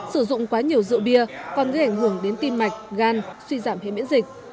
sử dụng quá nhiều rượu bia còn gây ảnh hưởng đến tim mạch gan suy giảm hệ miễn dịch